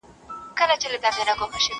لښتې په نري شمال کې خپل کمیس سم کړ.